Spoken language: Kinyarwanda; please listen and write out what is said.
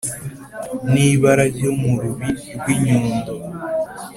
n’ibara ryo mu rubi rw’ i nyundo.